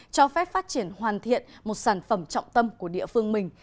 cho phép phát triển hoàn thiện một sản phẩm trọng tâm của địa phương mình